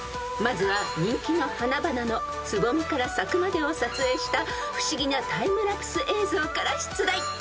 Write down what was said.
［まずは人気の花々のつぼみから咲くまでを撮影した不思議なタイムラプス映像から出題］